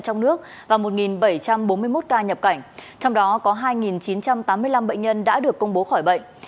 trong nước và một bảy trăm bốn mươi một ca nhập cảnh trong đó có hai chín trăm tám mươi năm bệnh nhân đã được công bố khỏi bệnh